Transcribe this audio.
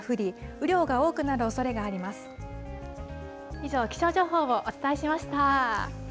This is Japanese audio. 以上、気象情報をお伝えしました。